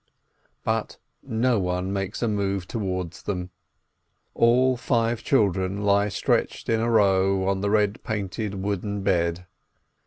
But no one makes a move towards them. All five children lie stretched in a row on the red painted, wooden bed.